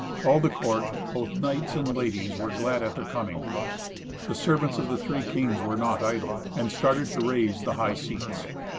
All the court, both knights and ladies, were glad at their coming. The servants of the three kings were not idle, and started to raise the high seats.